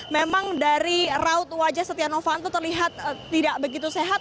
memang dari raut wajah setia novanto terlihat tidak begitu sehat